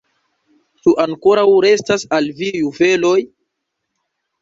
Ĉu ankoraŭ restas al vi juveloj?